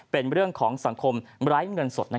เป็นเรื่องของสังคมไร้เงินสด